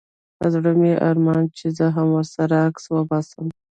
په زړه مي ارمان چي زه هم ورسره عکس وباسم